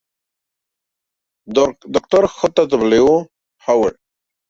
Dr. J. W. Hauer".